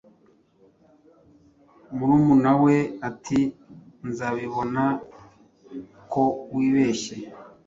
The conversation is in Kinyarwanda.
Murumunawe ati: "Nzabibona ko wibeshya."